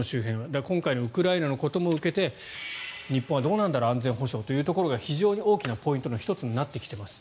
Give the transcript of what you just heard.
だから、今回のウクライナのことも受けて日本はどうなんだろう安全保障はというのが非常に大きなポイントの１つになってきています。